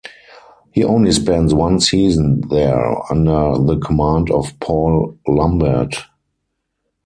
He only spends one season there, under the command of Paul Lambert.